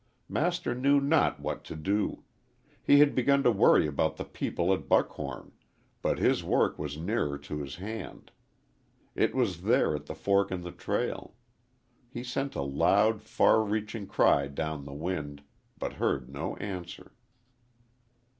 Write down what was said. Master knew not what to do. He had begun to worry about the people at Buckhom, but his work was nearer to his hand. It was there at the fork in the trail. He sent a loud, far reaching cry down the wind, but heard no answer.